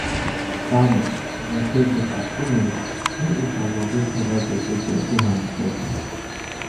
Տանը, որտեղ ես ապրում էի, մի ուսանողի թողած երկու գրքի հանդիպեցի։